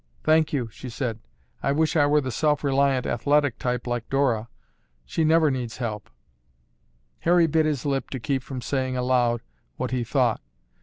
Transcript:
"Thank you," she said. "I wish I were the self reliant athletic type like Dora. She never needs help." Harry bit his lip to keep from saying aloud what he thought.